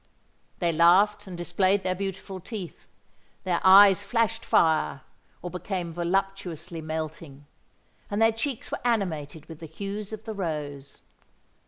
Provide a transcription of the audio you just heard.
They laughed and displayed their beautiful teeth: their eyes flashed fire, or became voluptuously melting: and their cheeks were animated with the hues of the rose.